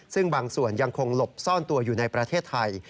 ซึ่งบางส่วนยังคงหลบซ่อนตัวอยู่ในประเทศไทย